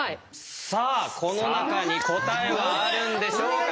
さあこの中に答えはあるんでしょうか？